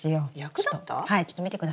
はいちょっと見てください。